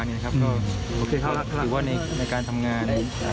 อันนี้นะครับคือว่าในการทำงาน